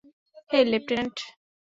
হেই, lieutenant!